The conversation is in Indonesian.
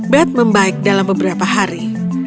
bed membaik dalam beberapa hari